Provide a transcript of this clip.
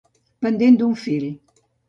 Pendent d'un fil.